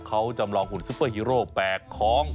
เขาจำลองหุ่นซุปเปอร์ฮีโร่แปลกของ